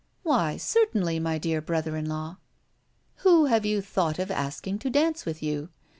"Why, certainly, my dear brother in law." "Who have you thought of asking to dance with you?